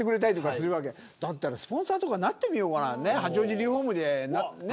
だったら、スポンサーとかになってみようかな八王子リホームで。